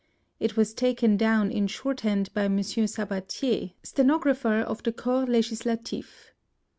It was taken down in shorthand by Monsieur Sabbatier, stenographer of the Corps Legislatif.